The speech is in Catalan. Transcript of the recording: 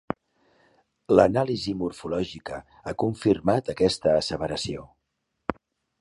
L'anàlisi morfològica ha confirmat aquesta asseveració.